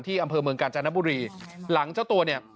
อำเภอเมืองกาญจนบุรีหลังเจ้าตัวเนี่ย